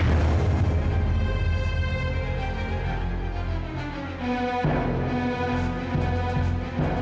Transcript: kamu harus pergi dari kehidupan mereka